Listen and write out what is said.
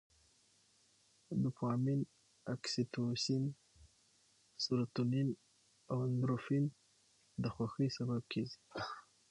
دوپامین، اکسي توسین، سروتونین او اندورفین د خوښۍ سبب کېږي.